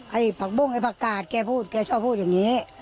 ผักบุ้งไอ้ผักกาดแกพูดแกชอบพูดอย่างนี้